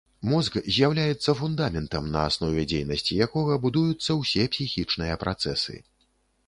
Мозг з'яўляецца фундаментам, на аснове дзейнасці якога будуюцца ўсе псіхічныя працэсы.